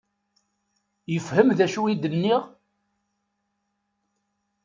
Yefhem d acu i d-nniɣ?